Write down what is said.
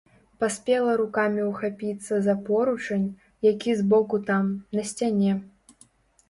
Паспела рукамі ўхапіцца за поручань, які з боку там, на сцяне.